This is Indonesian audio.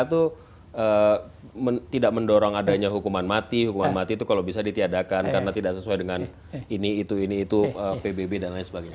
itu tidak mendorong adanya hukuman mati hukuman mati itu kalau bisa ditiadakan karena tidak sesuai dengan ini itu ini itu pbb dan lain sebagainya